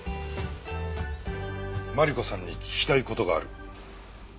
真理子さんに聞きたい事がある。